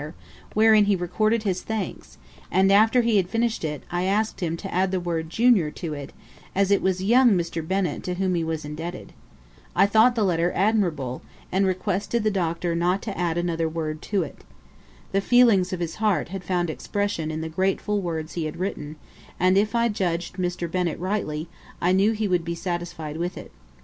wherein he recorded his thanks; and after he had finished it, I asked him to add the word "Junior" to it, as it was young Mr. Bennett to whom he was indebted. I thought the letter admirable, and requested the Doctor not to add another word to it. The feelings of his heart had found expression in the grateful words he had written; and if I judged Mr. Bennett rightly, I knew he would be satisfied with it.